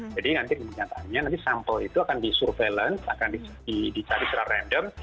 jadi nanti penyataannya nanti sampel itu akan di surveillance akan dicari secara random